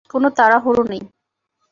কোনো তাড়াহুড়ো নেই।